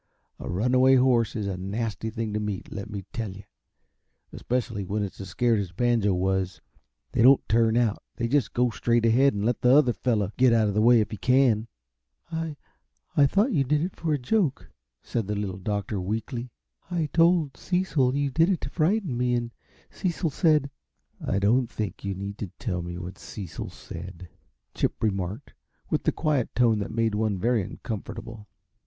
A runaway horse is a nasty thing to meet, let me tell you especially when it's as scared as Banjo was. They won't turn out; they just go straight ahead, and let the other fellow get out of the way if he can." "I I thought you did it just for a joke," said the Little Doctor, weakly. "I told Cecil you did it to frighten me, and Cecil said " "I don't think you need to tell me what Cecil said," Chip remarked, with the quiet tone that made one very uncomfortable.